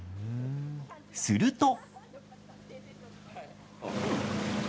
すると。